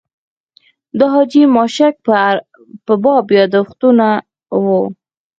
د حاجي ماشک په باب یاداښتونه و.